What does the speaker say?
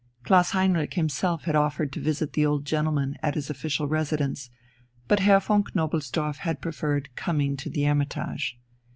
Klaus Heinrich himself had offered to visit the old gentleman at his official residence, but Herr von Knobelsdorff had preferred coming to the "Hermitage."